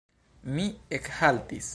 Mi ekhaltis.